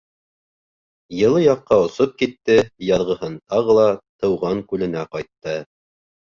Йылы яҡҡа осоп китте, яҙғыһын тағы ла тыуған күленә ҡайтты.